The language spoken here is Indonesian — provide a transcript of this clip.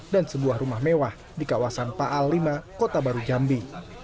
dan sebuah rumah mewah di kawasan paal lima kota barujambi